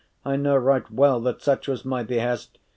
I know right well that such was my behest.